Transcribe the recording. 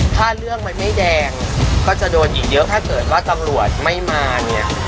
ถ้าเรื่องมันไม่แดงก็จะโดนอีกเยอะถ้าเกิดว่าตำรวจไม่มาเนี่ย